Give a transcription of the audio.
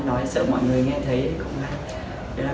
nói sợ mọi người nghe thấy ấy cũng là